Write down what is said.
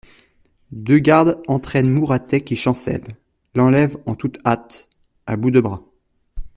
Deux gardes entraînent Mouratet qui chancelle, l'enlèvent en toute hâte, à bout de bras.